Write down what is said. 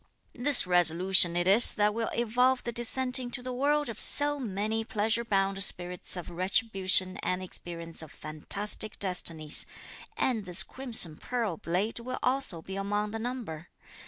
"This resolution it is that will evolve the descent into the world of so many pleasure bound spirits of retribution and the experience of fantastic destinies; and this crimson pearl blade will also be among the number.